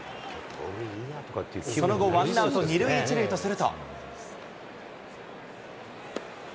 その後、ワンアウト２塁１塁とすると。